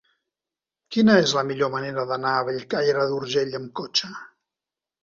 Quina és la millor manera d'anar a Bellcaire d'Urgell amb cotxe?